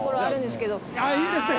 いいですね！